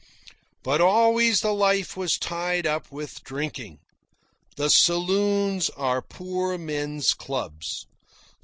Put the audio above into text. But always the life was tied up with drinking. The saloons are poor men's clubs.